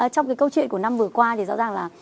trong cái câu chuyện của năm vừa qua thì rõ ràng là